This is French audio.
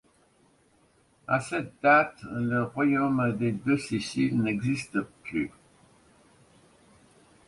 À cette date, le royaume des Deux-Siciles n'existe plus.